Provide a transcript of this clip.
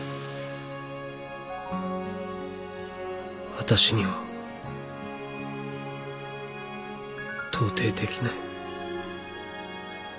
私には到底できない。